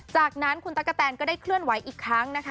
จากนั้นคุณตั๊กกะแตนก็ได้เคลื่อนไหวอีกครั้งนะคะ